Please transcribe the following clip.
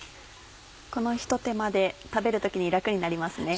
このひと手間で食べる時に楽になりますね。